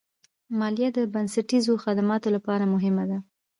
مالیه د بنسټیزو خدماتو لپاره مهمه ده.